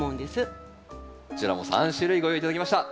こちらも３種類ご用意頂きました。